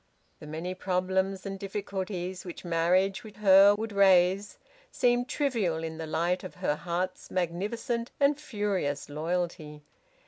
The many problems and difficulties which marriage with her would raise seemed trivial in the light of her heart's magnificent and furious loyalty.